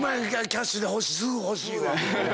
キャッシュですぐ欲しいわ。